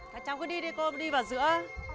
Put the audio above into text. các cháu cứ đi đi cô đi vào giữa